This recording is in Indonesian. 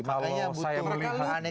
kalau saya melihatnya begini